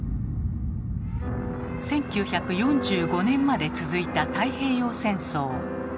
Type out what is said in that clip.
１９４５年まで続いた太平洋戦争。